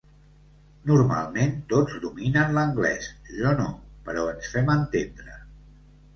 Normalment tots dominen l'anglès, jo no, però ens fem entendre.